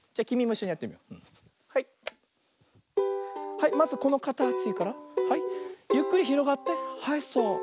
はいまずこのかたちからはいゆっくりひろがってはいそう。